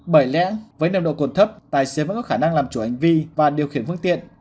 bởi lẽ với nồng độ cồn thấp tài xế vỡ khả năng làm chủ hành vi và điều khiển phương tiện